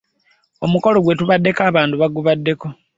Omukolo gwetabiddwako abantu abaagubaddeko.